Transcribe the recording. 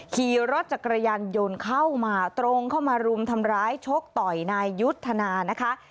ขี่รถจักรยานยนต์เข้ามาตรงเข้ามารุมทำร้ายชกต่อยนายยุทธนานะคะ